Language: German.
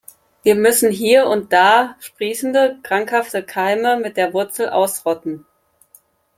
Wir müssen hier und da sprießende krankhafte Keime mit der Wurzel ausrotten!